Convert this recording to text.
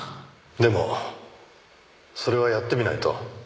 でもそれはやってみないと。